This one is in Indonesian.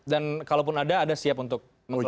dan kalau pun ada ada siap untuk mengelarikan